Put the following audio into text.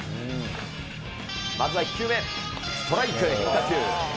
まずは１球目、ストライクで変化球。